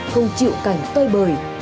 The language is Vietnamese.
không chịu cảnh tơi bời